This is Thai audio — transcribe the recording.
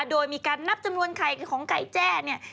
โดยมีการนับจำนวนไข่ของไก่แจ้เนี่ย